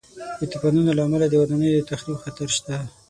د طوفانونو له امله د ودانیو د تخریب خطر شته.